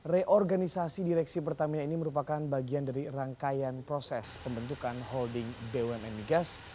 reorganisasi direksi pertamina ini merupakan bagian dari rangkaian proses pembentukan holding bumn migas